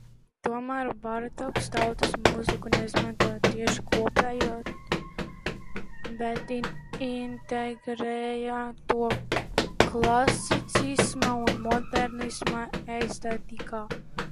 Tomēr Bartoks tautas mūziku neizmantoja tieši kopējot, bet integrēja to klasicisma un modernisma estētikā.